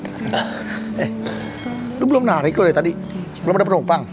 eh lo belum narik lo ya tadi belum ada penumpang